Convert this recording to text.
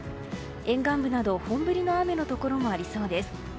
沿岸部など本降りの雨のところもありそうです。